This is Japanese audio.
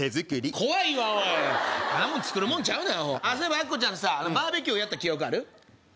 そういえばアキコちゃんさバーベキューやった記憶ある？